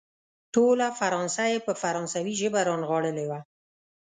ټوله فرانسه يې په فرانسوي ژبه رانغاړلې وه.